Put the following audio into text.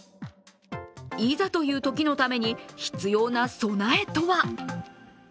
いざというときのために必要な備えとは？